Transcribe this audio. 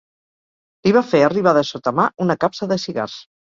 Li va fer arribar de sotamà una capsa de cigars.